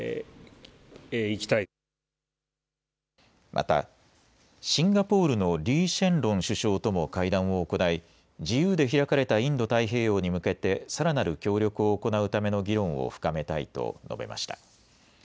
また、シンガポールのリー・シェンロン首相とも会談を行い自由で開かれたインド太平洋に向けてさらなる協力を行うための議論を深めたいと述べました。